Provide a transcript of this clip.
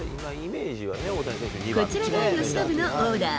こちらが由伸のオーダー。